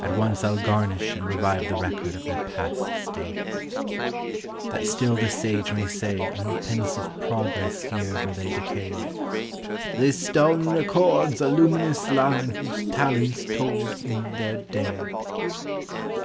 At once I'll garnish and revive the record Of their past state, "That still the sage may say In pensive progress here where they decay, 'This stone records a luminous line whose talents Told in their day.